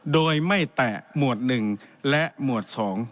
โดยไม่แตะหมวด๑และหมวด๒